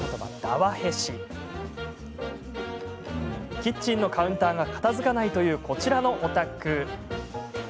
キッチンのカウンターが片づかないという、こちらのお宅。